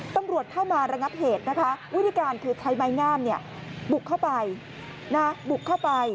ตำรวจเข้ามาระงับเหตุนะคะวิธีการคือใช้ไม้งามบุกเข้าไปบุกเข้าไป